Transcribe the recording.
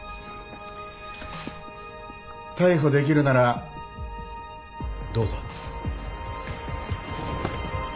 逮捕できるならどうぞ。